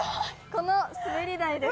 この滑り台です。